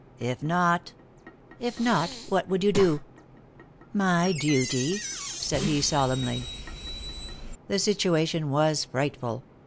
If not " "If not, what would you do?" "My duty," said he solemnly. The situation was frightful.